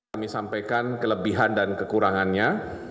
kami sampaikan kelebihan dan kekurangannya